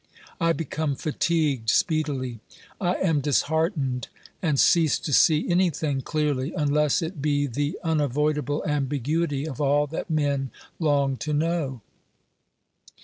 I become fatigued speedily. I am disheartened, and cease to see anything clearly, unless it be the unavoidable ambiguity of all that men long to know.